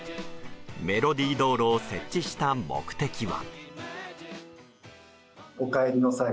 メロディー道路を設置した目的は。